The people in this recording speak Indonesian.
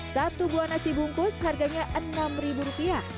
satu buah nasi bungkus harganya rp enam